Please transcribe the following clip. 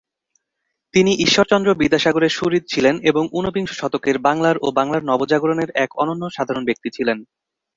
তিনি ঈশ্বরচন্দ্র বিদ্যাসাগরের সুহৃদ ছিলেন এবং ঊনবিংশ শতকের বাংলার ও বাংলার নবজাগরণের এক অনন্য সাধারণ ব্যক্তি ছিলেন।